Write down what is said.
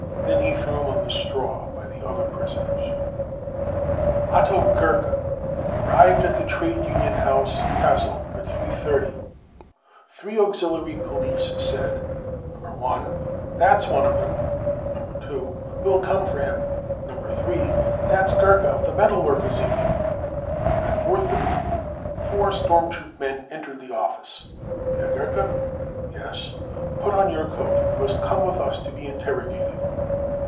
Then he threw him on the straw by the other prisoners." Otto Gerke, arrived at the Trade Union House, Gassel, at 3.30. Three auxiliary police said : No. i : fi That's one of them.' No. 2 :£ We'll come for him.' No 3 :£ That's Gerke of the Metalworkers' Union.' At 4.30 four storm troop men entered the office. £ Herr Gerke ? 5 £ Yes.' £ Put on your coat. You must come with us to be in terrogated.'